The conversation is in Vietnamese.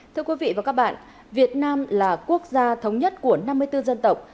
thưa quý vị và các bạn việt nam là quốc gia thống nhất của năm mươi bốn dân tộc